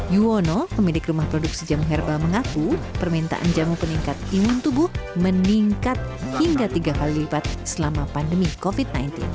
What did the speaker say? yuwono pemilik rumah produksi jamu herbal mengaku permintaan jamu peningkat imun tubuh meningkat hingga tiga kali lipat selama pandemi covid sembilan belas